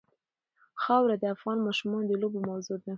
خاوره د افغان ماشومانو د لوبو موضوع ده.